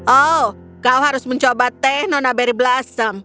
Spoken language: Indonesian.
oh kau harus mencoba teh nona beri blasem